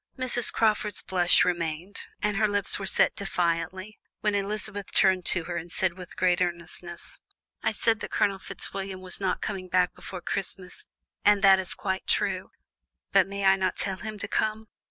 Miss Crawford's blush remained, and her lips were set rather defiantly, when Elizabeth turned to her and said with great earnestness: "I said that Colonel Fitzwilliam was not coming back before Christmas, and that is quite true, but may I not tell him to come?